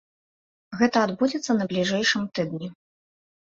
Гэта адбудзецца на бліжэйшым тыдні.